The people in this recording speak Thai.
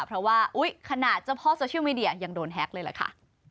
เพราะว่าอุ๊ยขนาดเจ้าพ่อโซเชียลเน็ตเวิร์กยังโดนแฮคเลยแหละค่ะ